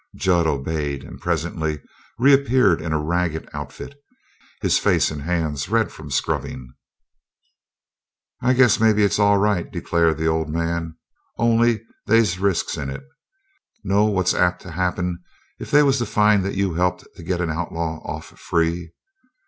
Jud obeyed, and presently reappeared in a ragged outfit, his face and hands red from scrubbing. "I guess maybe it's all right," declared the old man. "Only, they's risks in it. Know what's apt to happen if they was to find that you'd helped to get a outlaw off free?"